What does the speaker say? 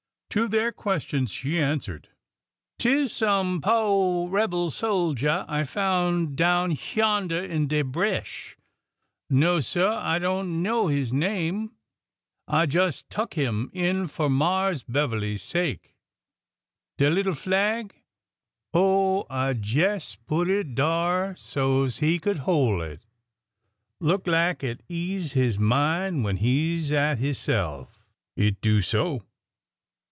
To their ques tions she answered :'' 'T is some po' rebel soldier I foun' down hyarnder in de bresh. No, sir ; I don't know his name. I jes' tuk him in fur Marse Beverly's sake. De little flag? Oh, I jes' put it dar so 's he could hoi' it. Look lak it ease his min' when he 's at hisself. It do so